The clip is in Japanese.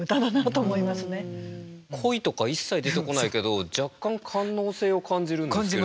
恋とか一切出てこないけど若干官能性を感じるんですけども。